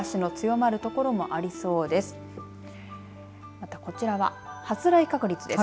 また、こちらは、発雷確率です。